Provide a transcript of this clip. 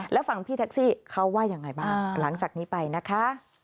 แล้วฝั่งพี่แท็กซี่เขาว่ายังไงบ้างหลังจากนี้ไปนะคะ